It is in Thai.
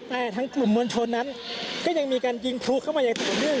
แต่ทั้งกลุ่มมวลชนนั้นก็ยังมีการยิงพลุเข้ามาอย่างต่อเนื่อง